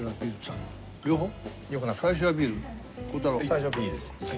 最初はビールです。